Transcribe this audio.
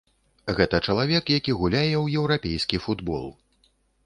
Гэта чалавек, які гуляе ў еўрапейскі футбол.